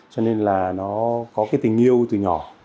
cho nên là nó có cái tình yêu từ nhỏ